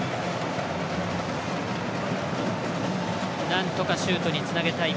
なんとかシュートにつなげたい。